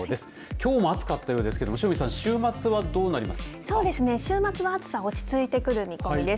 きょうも暑かったようですけれどそうですね、週末は暑さ落ち着いてくる見込みです。